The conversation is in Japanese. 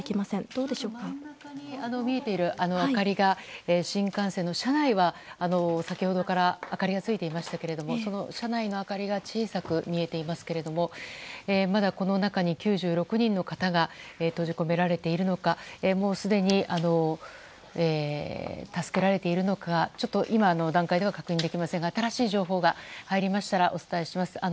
真ん中に見えている明かり新幹線の車内は先ほどから明かりがついていましたけどその車内の明かりが小さく見えていますけどもまだ、この中に９６人の方が閉じ込められているのかもうすでに、助けられているのか今の段階では確認できませんが新しい情報が入りましたらお伝えします。